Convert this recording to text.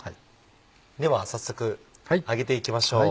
では早速揚げていきましょう。